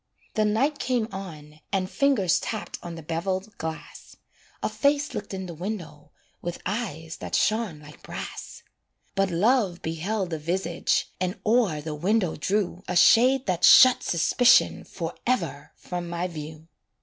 The night came on, and fingers Tapped on the beveled glass, A face looked in the window With eyes that shone like brass; But Love beheld the visage, And o'er the window drew A shade that shut Suspicion Forever from my view.